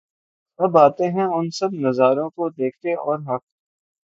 اب آتے ہیں ان سب نظاروں کو دیکھتے اور حق